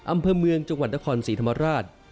อำเภอเมืองจังหวัดนครศรีธรรมราช